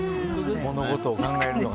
物事を考えるのが。